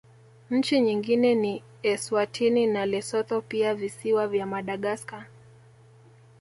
Nchi nyingine ni Eswatini na Lesotho pia Visiwa vya Madagaskar